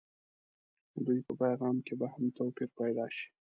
دوی په پیغام کې به هم توپير پيدا شي.